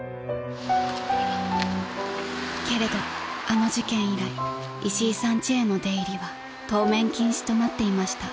［けれどあの事件以来いしいさん家への出入りは当面禁止となっていました］